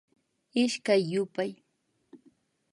Ishkay yupay